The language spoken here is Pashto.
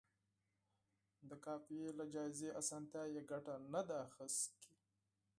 د قافیې له جائزې اسانتیا یې ګټه نه ده اخیستې.